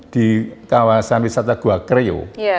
di kawasan wisata gua kreo